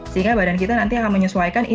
sehingga badan kita nanti akan menyesuaikan